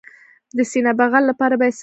د سینه بغل لپاره باید څه وکړم؟